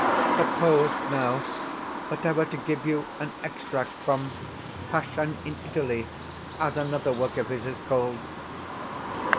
Suppose, now, that I were to give you an extract from "Passion in Italy" (as another work of his is called).